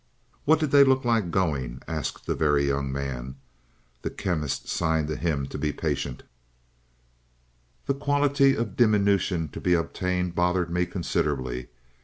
"What did they look like going?" asked the Very Young Man. The Chemist signed him to be patient. "The quantity of diminution to be obtained bothered me considerably.